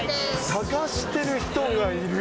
探してる人がいる？